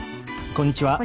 こんにちは。